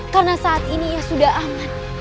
karena saat ini ia sudah aman